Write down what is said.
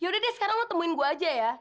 yaudah deh sekarang mau temuin gue aja ya